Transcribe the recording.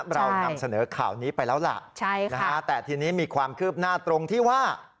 เรานำเสนอข่าวนี้ไปแล้วล่ะแต่ทีนี้มีความคืบหน้าตรงที่ว่า